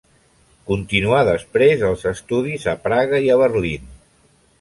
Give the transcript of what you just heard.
Continuà després els estudis a Praga i a Berlín.